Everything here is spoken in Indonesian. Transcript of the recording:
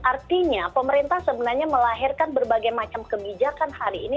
artinya pemerintah sebenarnya melahirkan berbagai macam kebijakan hari ini